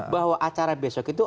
bahwa acara besok itu